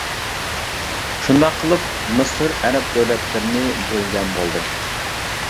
شۇنداق قىلىپ، مىسىر ئەرەب دۆلەتلىرىنى بۆلگەن بولدى.